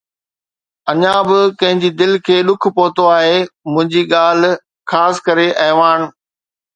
اڃا به ڪنهن جي دل کي ڏک پهتو آهي منهنجي ڳالهه، خاص ڪري اعواڻ.